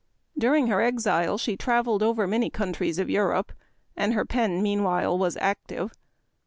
During her exile she traveled over many of the countries of Europe, and her pen, meanwhile, was active.